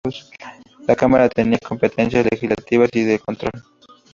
La cámara tenía competencias legislativas y de control.